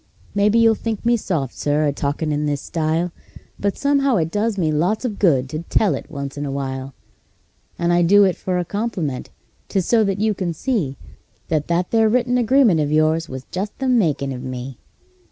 Maybe you'll think me soft, Sir, a talkin' in this style, But somehow it does me lots of good to tell it once in a while; And I do it for a compliment 'tis so that you can see That that there written agreement of yours was just the makin' of me.